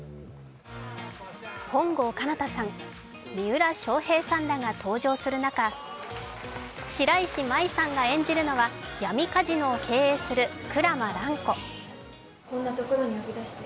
本郷奏多さん、三浦翔平さんらが登場する中、白石麻衣さんが演じるのは闇カジノを経営する鞍馬蘭子。